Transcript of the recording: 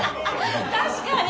確かに！